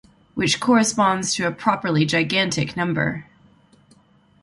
Which corresponds to a properly gigantic number.